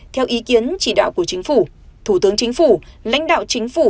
theo ý kiến chỉ đạo của chính phủ thủ tướng chính phủ lãnh đạo chính phủ